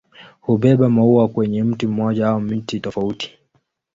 Hubeba maua kwenye mti mmoja au miti tofauti.